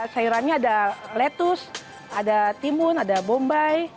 sayurannya ada lettuce ada timun ada bombay